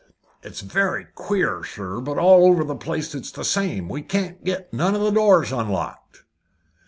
"It's very queer, sir, but all over the place it's the same. We can't get none of the doors unlocked."